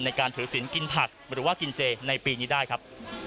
ในการถือศิลป์กินผักหรือว่ากินเจในปีนี้ได้ครับ